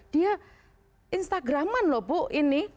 dia instagraman loh bu ini